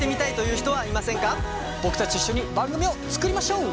僕たちと一緒に番組を作りましょう。